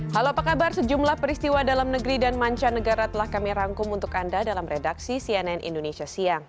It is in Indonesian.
halo apa kabar sejumlah peristiwa dalam negeri dan mancanegara telah kami rangkum untuk anda dalam redaksi cnn indonesia siang